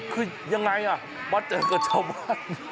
คือยังไงมาเจอกับชาวบ้าน